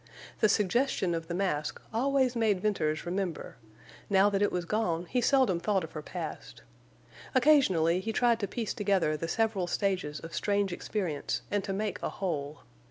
The suggestion of the mask always made Venters remember; now that it was gone he seldom thought of her past. Occasionally he tried to piece together the several stages of strange experience and to make a whole.